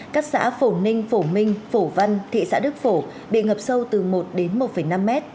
các xã phổ ninh phổ minh phổ văn thị xã đức phổ bị ngập sâu từ một đến một năm mét